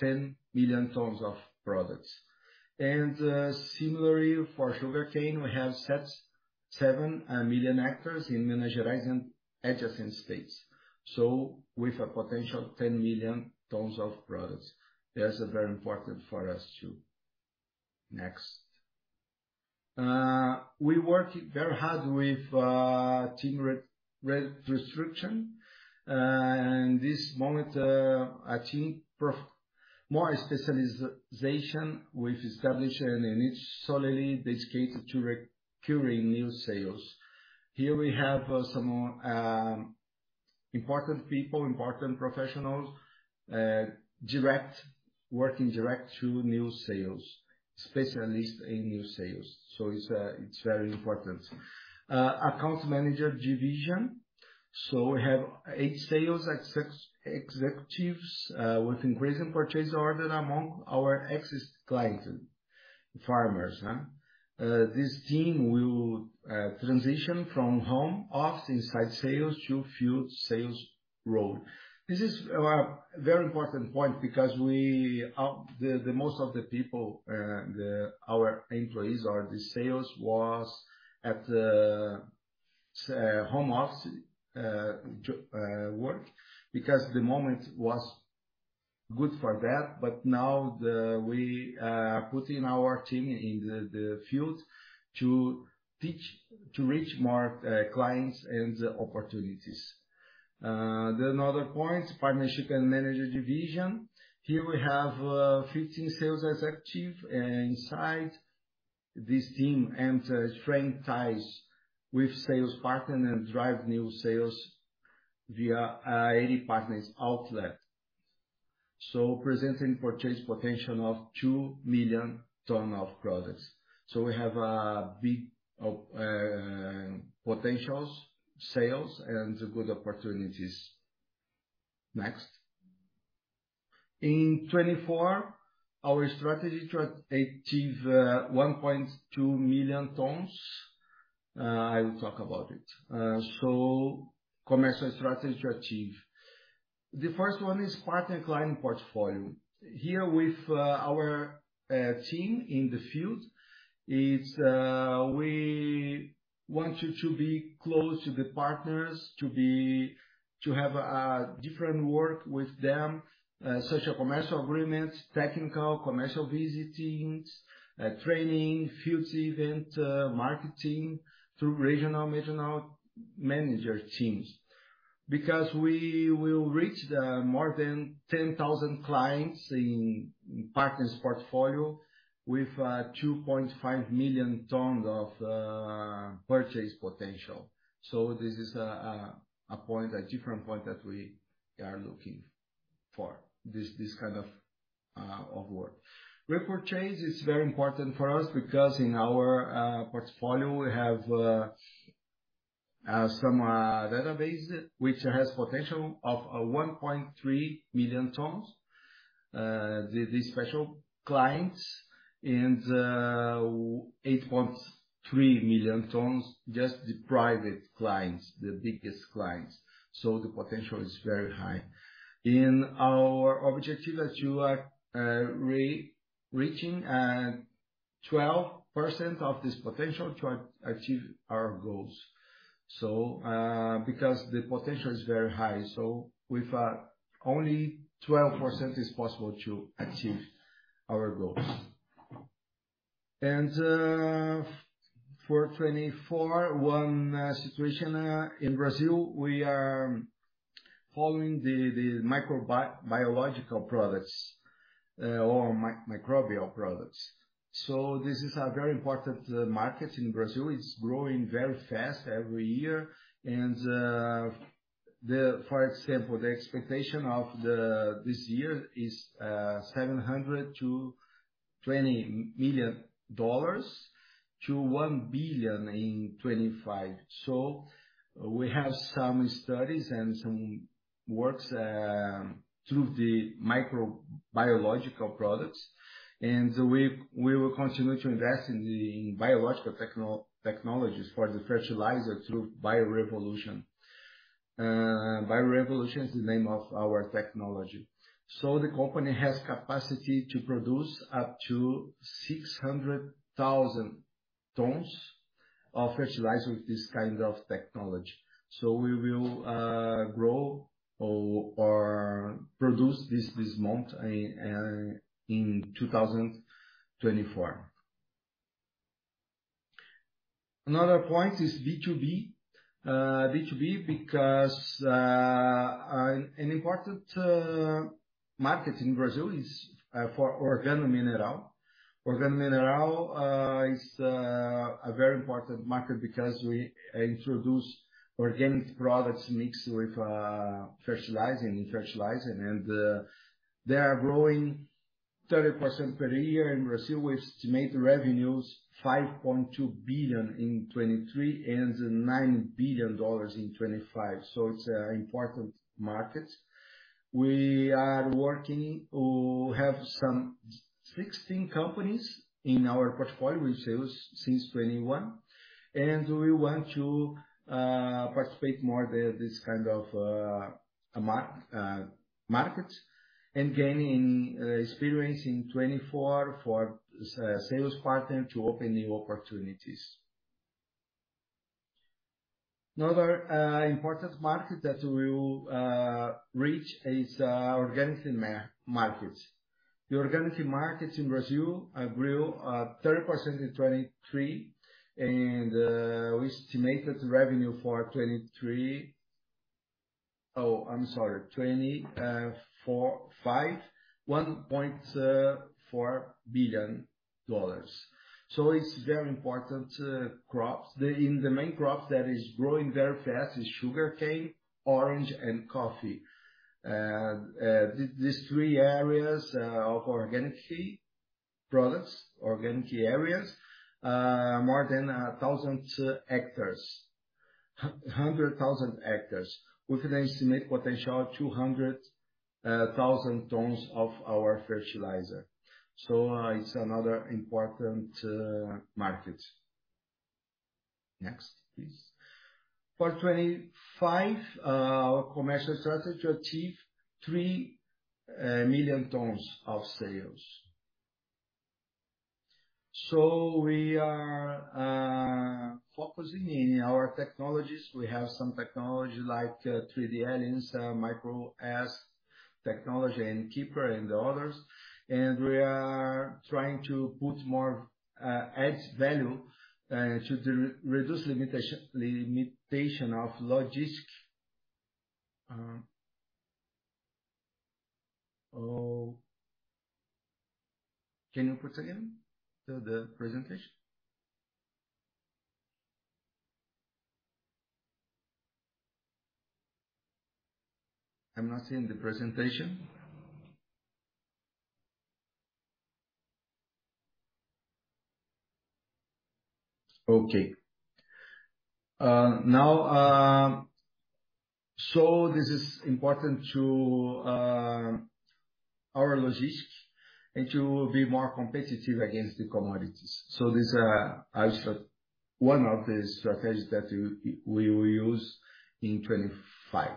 10 million tons of products. And, similarly for sugarcane, we have set 7 million hectares in Minas Gerais and adjacent states, so with a potential of 10 million tons of products. That's very important for us, too. Next. We worked very hard with team restructuring, and at this moment, achieve more specialization with establishing a niche solely dedicated to securing new sales. Here we have some important people, important professionals, dedicated, working directly to new sales, specialists in new sales. So it's very important. Account manager division, so we have eight sales executives with increasing purchase order among our existing clients, farmers. This team will transition from home office inside sales to field sales role. This is a very important point because we, the most of the people, our employees or the sales, was at the home office work, because the moment was good for that, but now we putting our team in the field to reach more clients and opportunities. Then another point, partnership and manager division. Here we have 15 sales executive, and inside this team and strengthen ties with sales partner and drive new sales via 80 partners outlet. So presenting purchase potential of 2 million ton of products. So we have a big potentials, sales, and good opportunities. Next. In 2024, our strategy to achieve 1.2 million tons, I will talk about it. So commercial strategy to achieve. The first one is partner client portfolio. Here with our team in the field is we want you to be close to the partners, to have a different work with them, social commercial agreements, technical, commercial visits, training, field event, marketing through regional manager teams. Because we will reach more than 10,000 clients in partners portfolio with 2.5 million tons of purchase potential. So this is a different point that we are looking for, this kind of work. Repurchase is very important for us because in our portfolio, we have some database, which has potential of 1.3 million tons, the special clients, and 8.3 million tons, just the private clients, the biggest clients. So the potential is very high. In our objective that you are reaching 12% of this potential to achieve our goals. So, because the potential is very high, so with only 12% is possible to achieve our goals. And, for 2024, one situation in Brazil, we are following the biological products or microbial products. So this is a very important market in Brazil. It's growing very fast every year, and the, for example, the expectation of this year is $720 million to $1 billion in 2025. So we have some studies and some works through the microbiological products, and we will continue to invest in the biological technologies for the fertilizer through Bio Revolution. Bio Revolution is the name of our technology. So the company has capacity to produce up to 600,000 tons of fertilizer with this kind of technology. So we will grow or produce this amount in 2024. Another point is B2B. B2B because an important market in Brazil is for organomineral. Organomineral is a very important market because we introduce organic products mixed with fertilizing, in fertilizing, and they are growing 30% per year in Brazil, with estimated revenues $5.2 billion in 2023 and $9 billion in 2025. So it's an important market. We are working to have some-... 16 companies in our portfolio with sales since 2021, and we want to participate more this kind of market, and gaining experience in 2024 for sales partner to open new opportunities. Another important market that we will reach is organic market. The organic market in Brazil grew 30% in 2023, and we estimated revenue for 2023... Oh, I'm sorry, 2024, $5.14 billion. So it's very important crops. The, in the main crops that is growing very fast is sugarcane, orange, and coffee. These three areas of organic feed products, organic areas, more than 1,000 hectares, 100,000 hectares, which they estimate potential 200,000 tons of our fertilizer. So, it's another important market. Next, please. For 2025, our commercial strategy to achieve 3 million tons of sales. So we are focusing in our technologies. We have some technology like 3D Alliance, MicroS Technology, and N Keeper, and the others, and we are trying to put more edge value to the reduce limitation of logistics. Oh, can you put again the presentation? I'm not seeing the presentation. Okay. Now, so this is important to our logistics and to be more competitive against the commodities. So this is one of the strategies that we will use in 2025.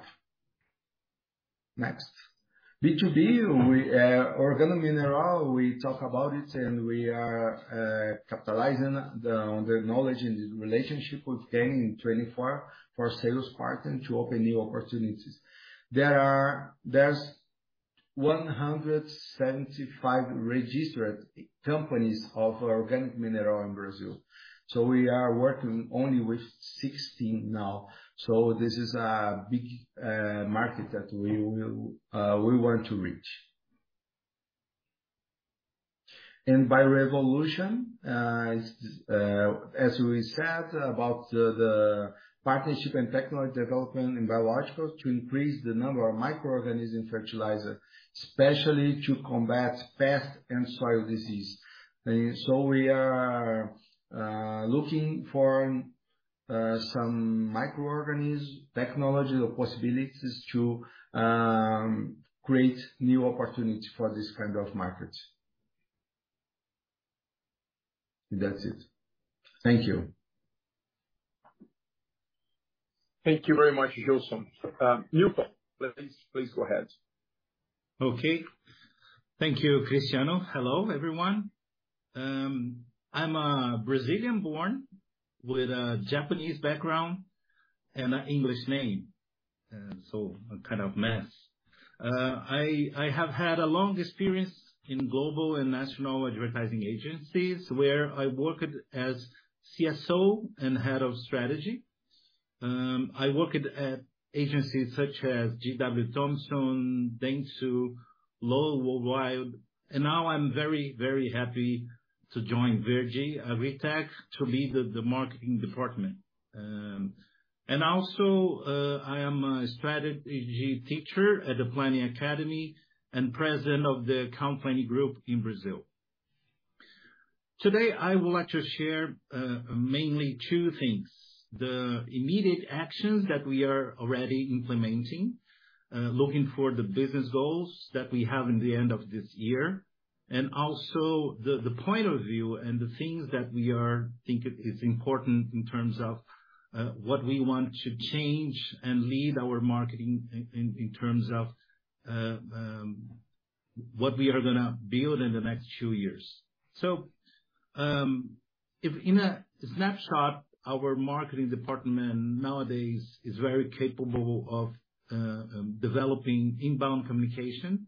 Next. B2B, organomineral, we talk about it, and we are capitalizing on the knowledge and the relationship we've gained in 2024 for sales partner to open new opportunities. There are 175 registered companies of organomineral in Brazil, so we are working only with 16 now. This is a big market that we will we want to reach. Bio Revolution is, as we said, about the partnership and technology development in biologicals to increase the number of microorganism fertilizer, especially to combat pest and soil disease. So we are looking for some microorganism technologies or possibilities to create new opportunities for this kind of market. That's it. Thank you. Thank you very much, Gilson. Newton please, please go ahead. Okay. Thank you, Cristiano. Hello, everyone. I'm a Brazilian born with a Japanese background and an English name, so a kind of mess. I have had a long experience in global and national advertising agencies, where I worked as CSO and Head of Strategy. I worked at agencies such as J. Walter Thompson, Dentsu, Lowe Worldwide, and now I'm very, very happy to join Verde AgriTech to lead the marketing department. And also, I am a strategy teacher at the Planning Academy and president of the Account Planning Group in Brazil. Today, I would like to share mainly two things, the immediate actions that we are already implementing, looking for the business goals that we have in the end of this year, and also the point of view and the things that we are thinking is important in terms of what we want to change and lead our marketing in terms of what we are gonna build in the next two years. So, if in a snapshot, our marketing department nowadays is very capable of developing inbound communication.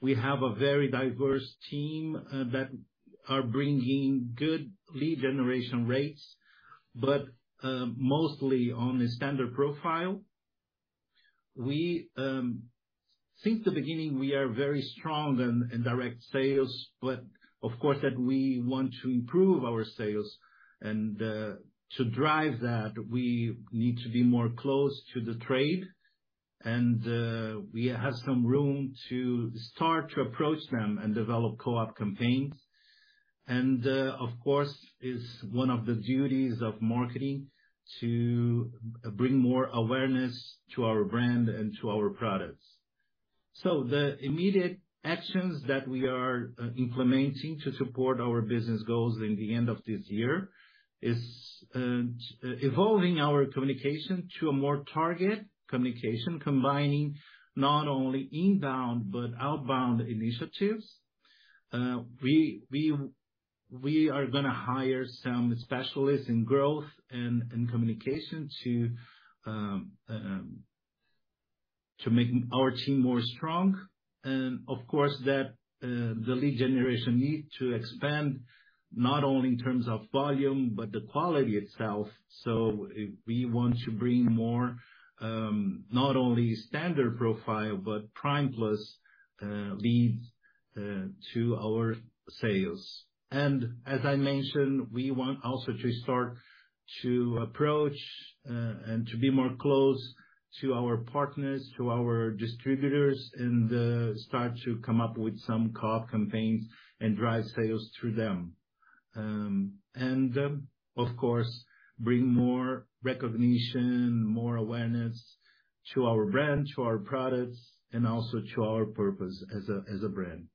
We have a very diverse team that are bringing good lead generation rates, but mostly on a standard profile. Since the beginning, we are very strong in direct sales, but of course, that we want to improve our sales, and to drive that, we need to be more close to the trade, and we have some room to start to approach them and develop co-op campaigns. Of course, it's one of the duties of marketing to bring more awareness to our brand and to our products. So the immediate actions that we are implementing to support our business goals in the end of this year is evolving our communication to a more target communication, combining not only inbound but outbound initiatives. We are gonna hire some specialists in growth and communication to make our team more strong. And of course, that the lead generation need to expand, not only in terms of volume, but the quality itself. So we want to bring more, not only standard profile, but Prime Plus leads to our sales. And as I mentioned, we want also to start to approach and to be more close to our partners, to our distributors, and start to come up with some co-op campaigns and drive sales through them. And, of course, bring more recognition, more awareness to our brand, to our products, and also to our purpose as a, as a brand.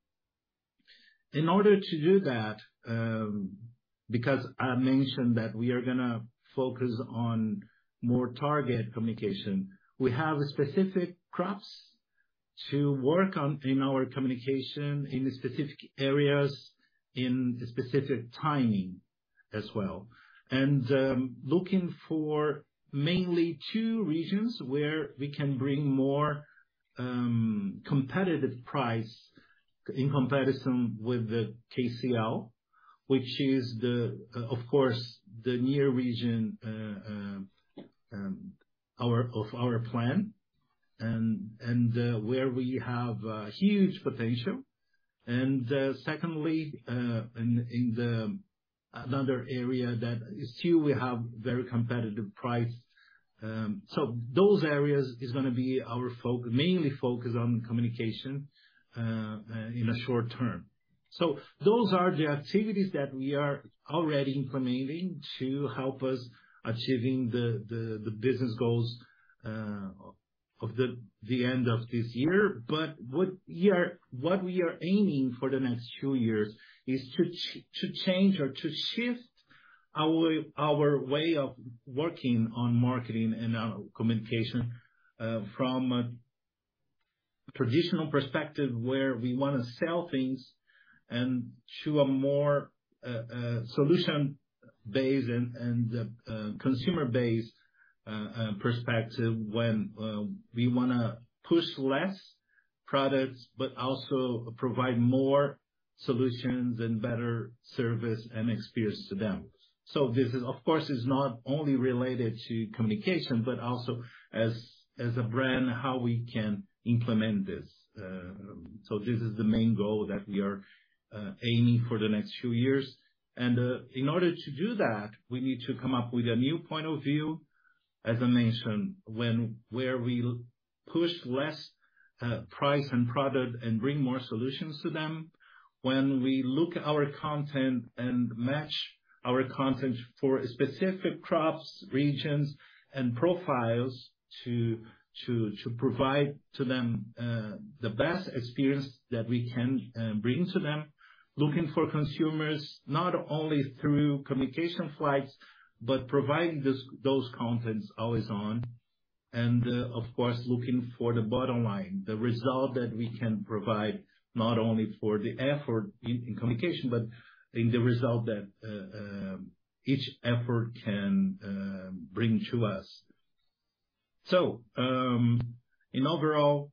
In order to do that, because I mentioned that we are gonna focus on more target communication, we have specific crops to work on in our communication, in specific areas, in specific timing as well. Looking for mainly two regions where we can bring more competitive price in comparison with the KCl, which is, of course, the near region of our plant, and where we have huge potential. Secondly, in another area that still we have very competitive price. So those areas is gonna be our mainly focus on communication in the short term. So those are the activities that we are already implementing to help us achieving the business goals of the end of this year. But what we are aiming for the next two years is to change or to shift our way of working on marketing and communication from a traditional perspective, where we want to sell things and to a more solution-based and consumer-based perspective, when we wanna push less products but also provide more solutions and better service and experience to them. So this is, of course, not only related to communication, but also as a brand, how we can implement this. So this is the main goal that we are aiming for the next two years. And in order to do that, we need to come up with a new point of view, as I mentioned, where we push less price and product and bring more solutions to them. When we look at our content and match our content for specific crops, regions, and profiles to provide to them the best experience that we can bring to them. Looking for consumers, not only through communication flags, but providing those contents always on. And, of course, looking for the bottom line, the result that we can provide, not only for the effort in communication, but in the result that each effort can bring to us. So, in overall,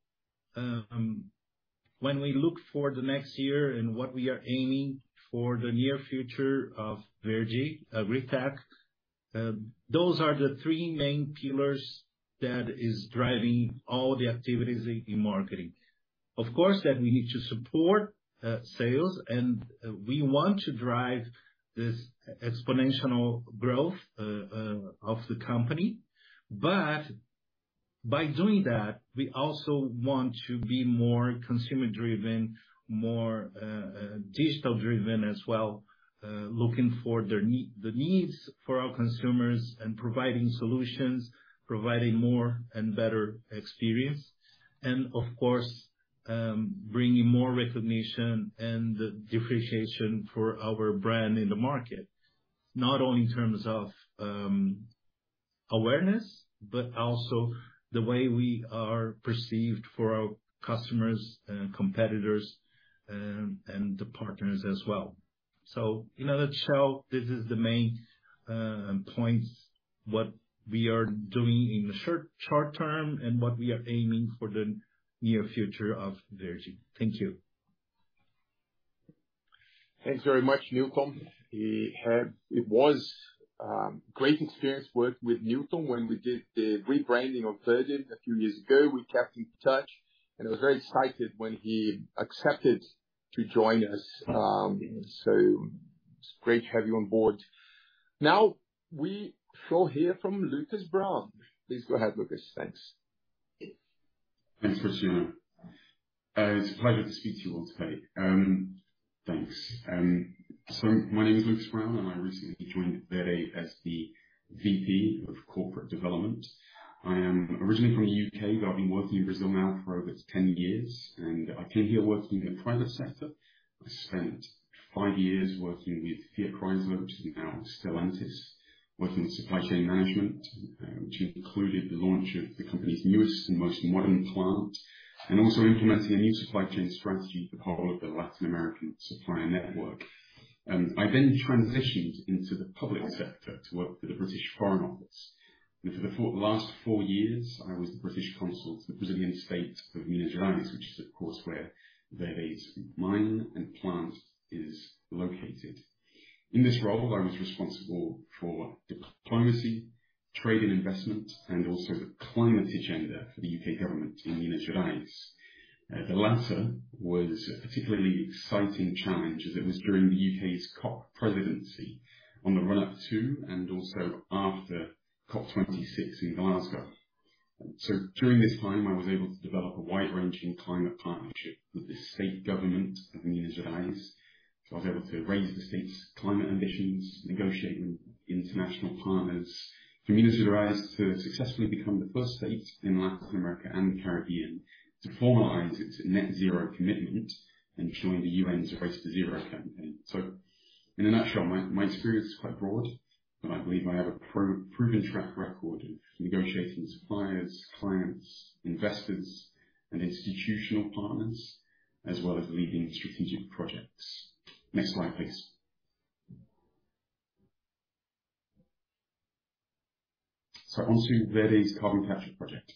when we look for the next year and what we are aiming for the near future of Verde AgriTech, those are the three main pillars that is driving all the activities in marketing. Of course, that we need to support sales, and we want to drive this exponential growth of the company. But by doing that, we also want to be more consumer-driven, more digital-driven as well. Looking for their need, the needs for our consumers, and providing solutions, providing more and better experience. And of course, bringing more recognition and the differentiation for our brand in the market, not only in terms of awareness, but also the way we are perceived for our customers, and competitors, and the partners as well. So in a nutshell, this is the main points, what we are doing in the short term, and what we are aiming for the near future of Verde. Thank you. Thanks very much, Newton. It was great experience working with Newton when we did the rebranding of Verde a few years ago. We kept in touch, and I was very excited when he accepted to join us. So it's great to have you on board. Now, we shall hear from Lucas Brown. Please go ahead, Lucas. Thanks.... Thanks, Cristiano. It's a pleasure to speak to you all today. Thanks. So my name is Lucas Brown, and I recently joined Verde as the VP of Corporate Development. I am originally from the U.K., but I've been working in Brazil now for over 10 years, and I came here working in the private sector. I spent five years working with Fiat Chrysler, which is now Stellantis, working in supply chain management, which included the launch of the company's newest and most modern plant, and also implementing a new supply chain strategy for the whole of the Latin American supplier network. I then transitioned into the public sector to work for the British Foreign Office, and for the last four years, I was the British Consul to the Brazilian state of Minas Gerais, which is, of course, where Verde's mine and plant is located. In this role, I was responsible for diplomacy, trade and investment, and also the climate agenda for the U.K. government in Minas Gerais. The latter was a particularly exciting challenge, as it was during the U.K.'s COP presidency on the run-up to, and also after, COP26 in Glasgow. During this time, I was able to develop a wide-ranging climate partnership with the state government of Minas Gerais. So I was able to raise the state's climate ambitions, negotiate with international partners for Minas Gerais to successfully become the first state in Latin America and the Caribbean to formalize its net zero commitment and join the UN's Race to Zero campaign. So in a nutshell, my experience is quite broad, and I believe I have a proven track record in negotiating suppliers, clients, investors, and institutional partners, as well as leading strategic projects. Next slide, please. So onto Verde's carbon capture project,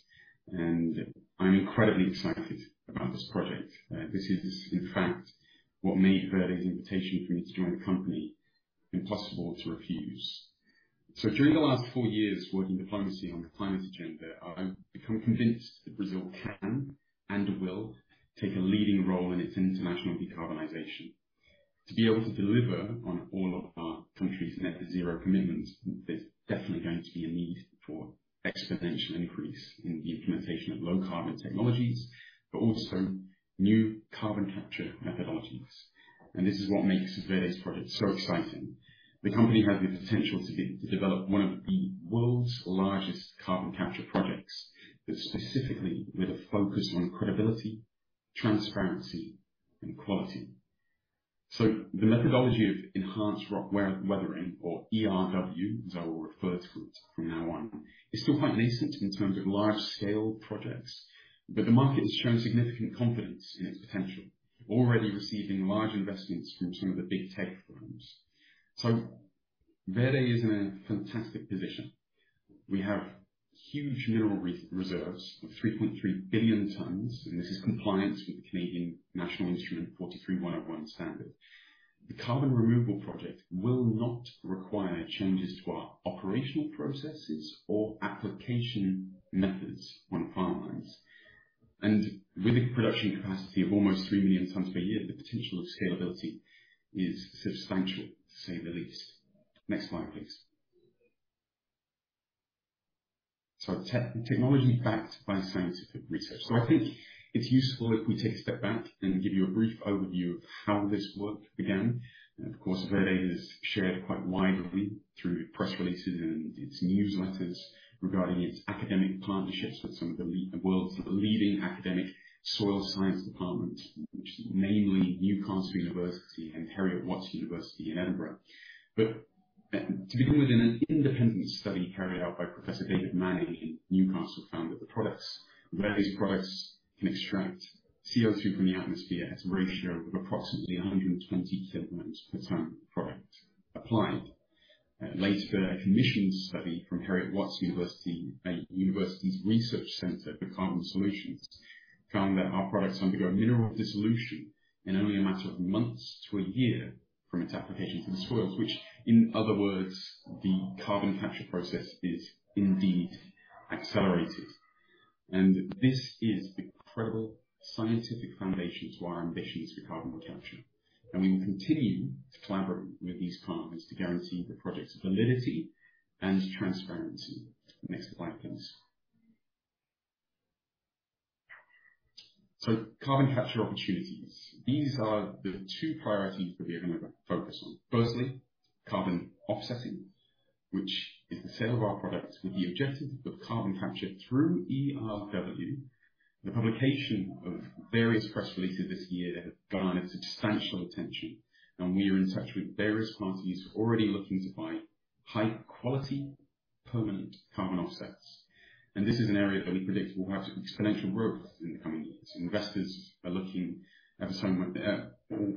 and I'm incredibly excited about this project. This is, in fact, what made Verde's invitation for me to join the company impossible to refuse. So during the last four years working in diplomacy on the climate agenda, I've become convinced that Brazil can and will take a leading role in its international decarbonization. To be able to deliver on all of our country's Net-to-Zero commitments, there's definitely going to be a need for exponential increase in the implementation of low-carbon technologies, but also new carbon capture methodologies. This is what makes Verde's project so exciting. The company has the potential to develop one of the world's largest carbon capture projects, but specifically with a focus on credibility, transparency, and quality. The methodology of Enhanced Rock Weathering, or ERW, as I will refer to it from now on, is still quite nascent in terms of large-scale projects, but the market has shown significant confidence in its potential, already receiving large investments from some of the big tech firms. Verde is in a fantastic position. We have huge mineral reserves of 3.3 billion tons, and this is compliant with the Canadian National Instrument 43-101 standard. The carbon removal project will not require changes to our operational processes or application methods on the farmlands, and with a production capacity of almost 3 million tons per year, the potential of scalability is substantial, to say the least. Next slide, please. So technology backed by scientific research. So I think it's useful if we take a step back and give you a brief overview of how this work began. Of course, Verde has shared quite widely through press releases and its newsletters regarding its academic partnerships with some of the the world's leading academic soil science departments, which is mainly Newcastle University and Heriot-Watt University in Edinburgh. To begin with, an independent study carried out by Professor David Manning in Newcastle found that the products, Verde's products, can extract CO2 from the atmosphere at a ratio of approximately 120 kg per ton of product applied. Later, a commissioned study from Heriot-Watt University's Research Centre for Carbon Solutions found that our products undergo mineral dissolution in only a matter of months to a year from its application to the soils, which, in other words, the carbon capture process is indeed accelerated. This is incredible scientific foundation to our ambitions for carbon capture, and we will continue to collaborate with these partners to guarantee the project's validity and transparency. Next slide, please. Carbon capture opportunities. These are the two priorities that we are going to focus on. Firstly, carbon offsetting, which is the sale of our products with the objective of carbon capture through ERW. The publication of various press releases this year have garnered substantial attention, and we are in touch with various parties already looking to buy high quality, permanent carbon offsets. This is an area that we predict will have exponential growth in the coming years. Investors are looking at some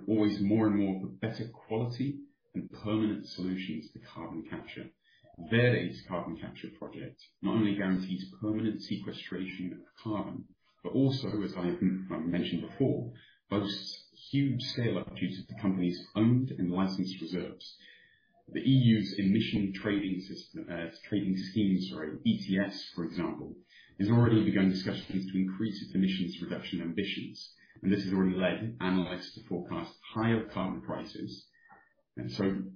always more and more for better quality and permanent solutions to carbon capture. Verde's carbon capture project not only guarantees permanent sequestration of carbon, but also, as I mentioned before, boasts huge scale opportunities to companies' owned and licensed reserves. The EU's Emissions Trading System, ETS, for example, has already begun discussions to increase its emissions reduction ambitions, and this has already led analysts to forecast higher carbon prices. The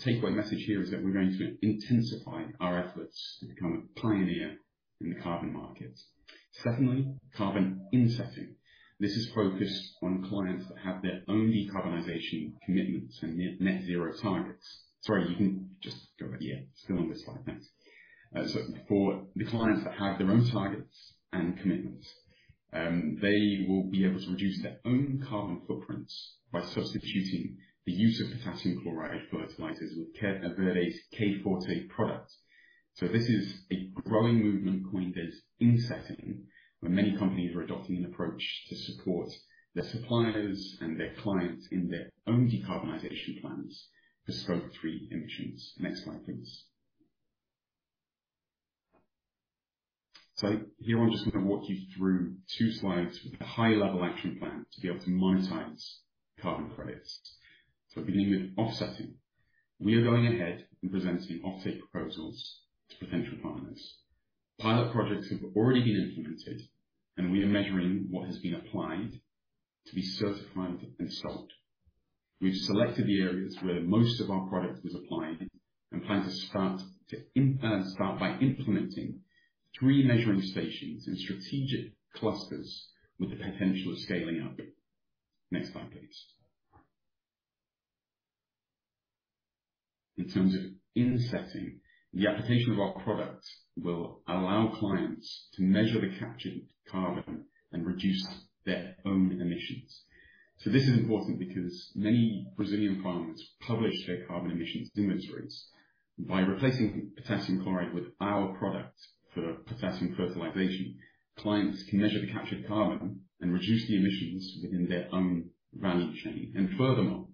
takeaway message here is that we're going to intensify our efforts to become a pioneer in the carbon market. Secondly, carbon insetting. This is focused on clients that have their own decarbonization commitments and net, net zero targets. Sorry, you can just go, yeah, go on the slide next. So for the clients that have their own targets and commitments, they will be able to reduce their own carbon footprints by substituting the use of potassium chloride fertilizers with Verde's K Forte product. So this is a growing movement called insetting, where many companies are adopting an approach to support their suppliers and their clients in their own decarbonization plans for Scope 3 emissions. Next slide, please. So here I'm just gonna walk you through two slides with a high level action plan to be able to monetize carbon credits. So beginning with offsetting, we are going ahead and presenting offset proposals to potential farmers. Pilot projects have already been implemented, and we are measuring what has been applied to be certified and sold. We've selected the areas where most of our product is applied and plan to start by implementing three measuring stations in strategic clusters with the potential of scaling up. Next slide, please. In terms of insetting, the application of our product will allow clients to measure the captured carbon and reduce their own emissions. So this is important because many Brazilian farmers publish their carbon emissions inventories. By replacing potassium chloride with our product for potassium fertilization, clients can measure the captured carbon and reduce the emissions within their own value chain. Furthermore,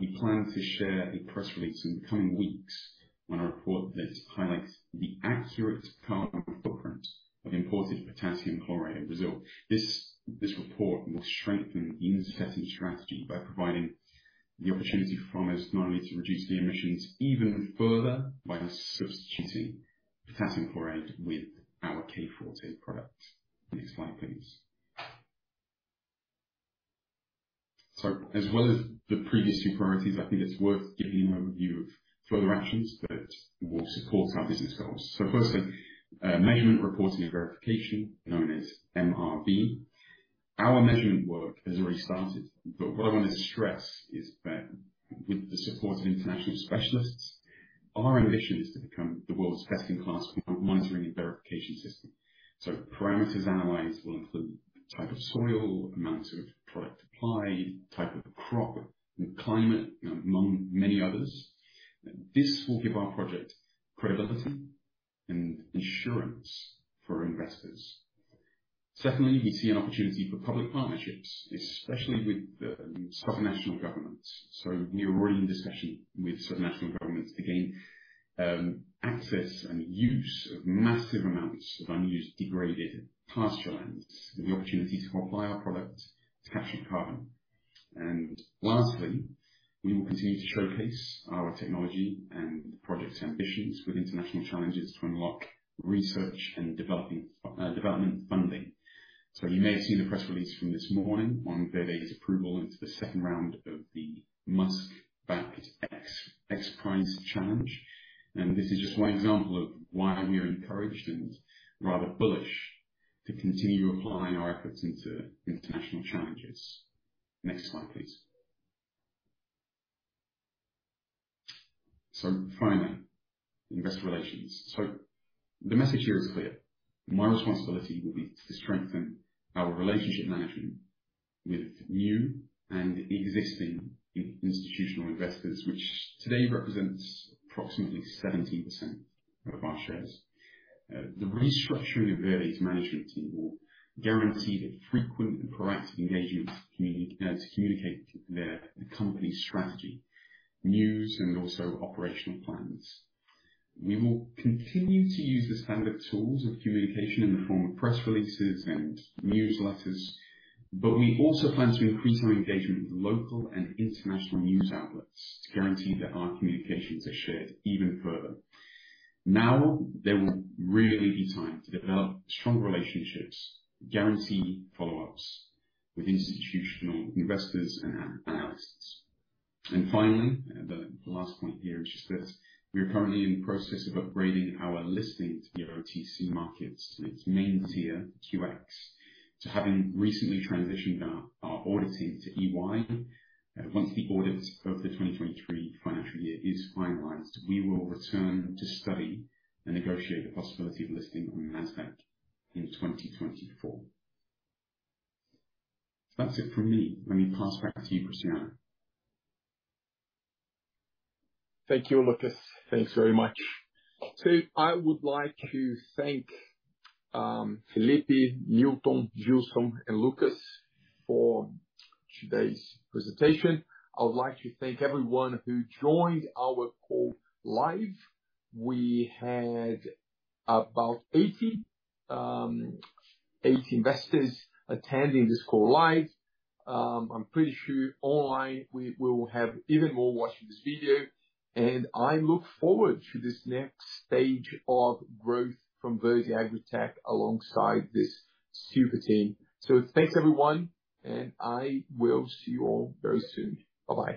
we plan to share a press release in the coming weeks on a report that highlights the accurate carbon footprints of imported potassium chloride in Brazil. This report will strengthen the insetting strategy by providing the opportunity for farmers not only to reduce the emissions even further by substituting potassium chloride with our K Forte product. Next slide, please. As well as the previous two priorities, I think it's worth giving you an overview of further actions that will support our business goals. Firstly, measurement, reporting, and verification, known as MRV. Our measurement work has already started, but what I want to stress is that with the support of international specialists, our ambition is to become the world's best-in-class monitoring and verification system. Parameters analyzed will include type of soil, amounts of product applied, type of crop, and climate, among many others. This will give our project credibility and insurance for investors. Secondly, we see an opportunity for public partnerships, especially with the subnational governments. So we are already in discussion with subnational governments to gain access and use of massive amounts of unused, degraded pasture lands with the opportunity to apply our product to capture carbon. And lastly, we will continue to showcase our technology and projects ambitions with international challenges to unlock research and developing development funding. So you may have seen the press release from this morning on Verde's approval into the second round of the Musk-backed XPRIZE challenge. And this is just one example of why we are encouraged and rather bullish to continue applying our efforts into international challenges. Next slide, please. So finally, investor relations. So the message here is clear. My responsibility will be to strengthen our relationship management with new and existing institutional investors, which today represents approximately 70% of our shares. The restructuring of Verde's management team will guarantee the frequent and proactive engagement to communicate the company's strategy, news, and also operational plans. We will continue to use the standard tools of communication in the form of press releases and newsletters, but we also plan to increase our engagement with local and international news outlets to guarantee that our communications are shared even further. Now, there will really be time to develop strong relationships, guarantee follow-ups with institutional investors and analysts. And finally, and the last point here is just that we are currently in the process of upgrading our listing to the OTC Markets, and its main tier, OTCQX. Having recently transitioned our auditing to EY, once the audit of the 2023 financial year is finalized, we will return to study and negotiate the possibility of listing on the NASDAQ in 2024. That's it for me. Let me pass back to you, Cristiano. Thank you, Lucas. Thanks very much. So I would like to thank Felipe, Newton, Gilson and Lucas for today's presentation. I would like to thank everyone who joined our call live. We had about 80, 80 investors attending this call live. I'm pretty sure online we, we will have even more watching this video, and I look forward to this next stage of growth from Verde AgriTech alongside this super team. So thanks everyone, and I will see you all very soon. Bye-bye.